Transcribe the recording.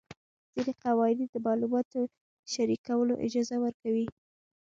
ځینې قوانین د معلوماتو شریکولو اجازه ورکوي.